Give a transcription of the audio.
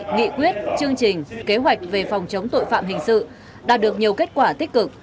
nghị quyết chương trình kế hoạch về phòng chống tội phạm hình sự đạt được nhiều kết quả tích cực